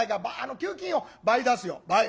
給金を倍出すよ倍。